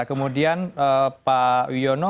kemudian pak wiono